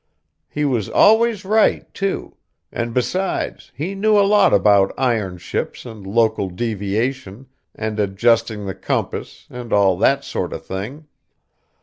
He was always right, too, and besides he knew a lot about iron ships and local deviation, and adjusting the compass, and all that sort of thing.